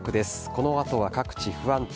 この後は各地不安定。